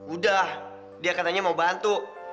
udah dia katanya mau bantu